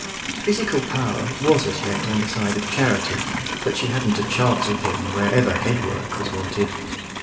Physical power was as yet on the side of Charity, but she hadn't a chance with him wherever headwork was wanted.